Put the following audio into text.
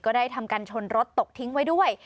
ได้ทำการชนรถตกทิ้งไว้ด้วย